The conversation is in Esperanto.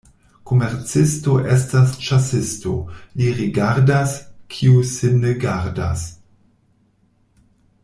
Komercisto estas ĉasisto, li rigardas, kiu sin ne gardas.